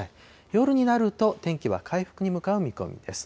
夜になると天気は回復に向かう見込みです。